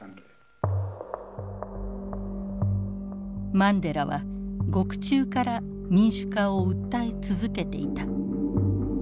マンデラは獄中から民主化を訴え続けていた。